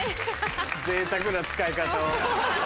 ぜいたくな使い方を。